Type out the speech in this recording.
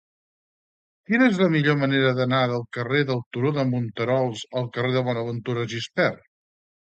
Quina és la millor manera d'anar del carrer del Turó de Monterols al carrer de Bonaventura Gispert?